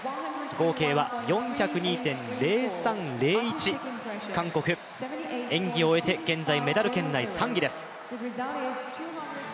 合計は４０２．０３０１、韓国、演技を終えて現在メダル圏内３位です。